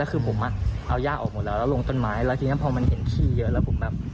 คือผมอ่ะเอาย่าออกหมดแล้วแล้วลงต้นไม้แล้วทีนี้พอมันเห็นขี้เยอะแล้วผมแบบ